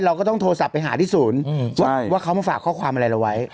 เราก็ต้องโทรศัพท์ไปหาที่ศูนย์ว่าเขามาฝากข้อความอะไรเราไว้